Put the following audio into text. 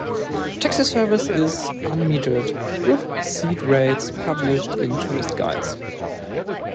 Taxi service is unmetered, with set rates published in tourist guides.